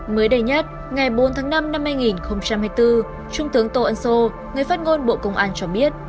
mới đây nhất ngày bốn tháng năm năm hai nghìn hai mươi bốn trung tướng tô ân sô người phát ngôn bộ công an cho biết